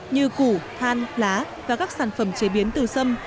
như củ than lá và các sản phẩm chế biến từ sâm